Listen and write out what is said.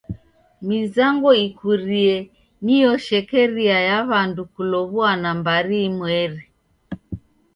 Mizango ikurie nio shekeria ya w'andu kulow'uana mbari inmweri.